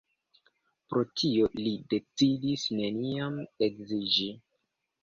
Pro tio, li decidis neniam edziĝi.